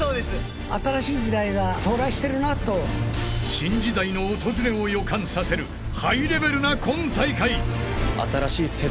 ［新時代の訪れを予感させるハイレベルな今大会］